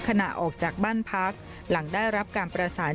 ขณะออกจากบ้านพักหลังได้รับการประสาน